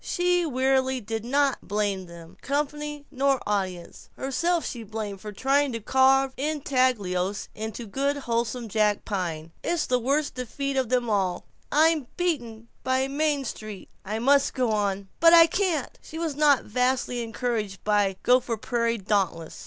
She wearily did not blame them, company nor audience. Herself she blamed for trying to carve intaglios in good wholesome jack pine. "It's the worst defeat of all. I'm beaten. By Main Street. 'I must go on.' But I can't!" She was not vastly encouraged by the Gopher Prairie Dauntless